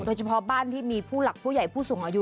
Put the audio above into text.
โดยเฉพาะบ้านที่มีผู้หลักผู้ใหญ่ผู้สูงอายุ